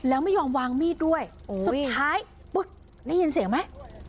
แล้วไม่ยอมวางมีดด้วยสุดท้ายปึ๊กได้ยินเสียงไหม